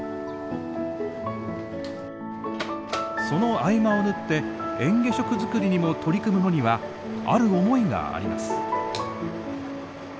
その合間を縫ってえん下食作りにも取り組むのにはある思いがあります。